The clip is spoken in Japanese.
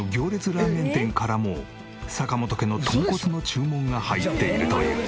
ラーメン店からも坂本家の豚骨の注文が入っているという。